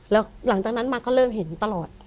แล้วหลังจากนั้นมาก็เริ่มเห็นตลอด